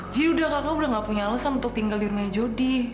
jadi udah kakak udah gak punya alasan untuk tinggal di rumah jodoh